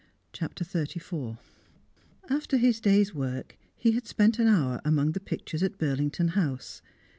CHAPTER XXXIV After his day's work, he had spent an hour among the pictures at Burlington House.